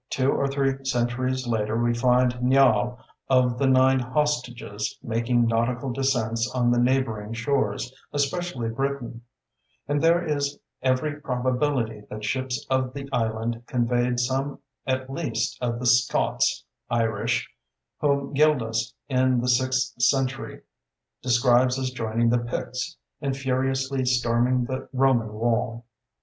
Two or three centuries later we find Niall of the Nine Hostages making nautical descents on the neighboring shores, especially Britain: and there is every probability that ships of the island conveyed some at least of the "Scots" (Irish) whom Gildas in the sixth century describes as joining the Picts in furiously storming the Roman wall.